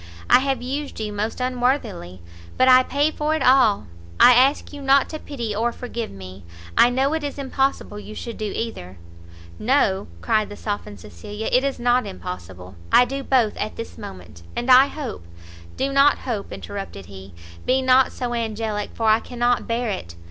I have used you most unworthily, but I pay for it all! I ask you not to pity or forgive me, I know it is impossible you should do either." "No," cried the softened Cecilia, "it is not impossible, I do both at this moment, and I hope " "Do not hope," interrupted he, "be not so angelic, for I cannot bear it!